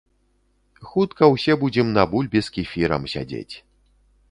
Хутка ўсе будзем на бульбе з кефірам сядзець.